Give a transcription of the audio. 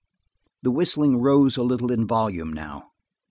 The whistling rose a little in volume now.